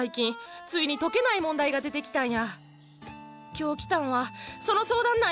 今日来たんはその相談なんや。